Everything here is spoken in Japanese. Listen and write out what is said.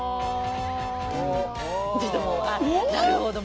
なるほど。